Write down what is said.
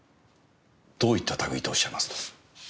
どういった類とおっしゃいますと？